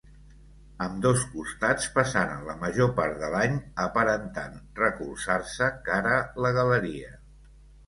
Ambdós costats passaren la major part de l'any aparentant recolzar-se cara la galeria.